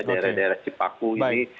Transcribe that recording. daerah daerah cipaku ini